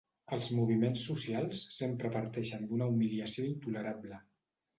Els moviments socials sempre parteixen d’una humiliació intolerable.